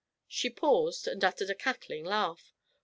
She paused, and uttered a cackling laugh.